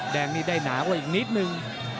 แดงนี่ได้หนากว่าอีกนิดนึง